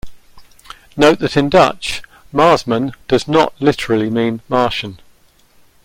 Note that in Dutch, "Marsman" does literally mean "Martian".